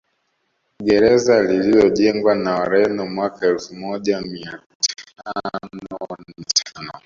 Gereza lililojengwa na Wareno mwaka elfu moja mia tano na tano